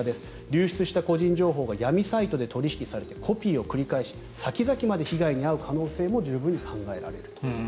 流出した個人情報が闇サイトで取引されコピーを繰り返し先々まで被害に遭う可能性も十分に考えられると。